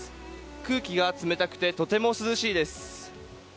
空気が冷たくてとても涼しいです。